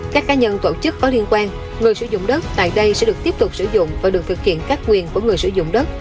các cá nhân tổ chức có liên quan người sử dụng đất tại đây sẽ được tiếp tục sử dụng và được thực hiện các quyền của người sử dụng đất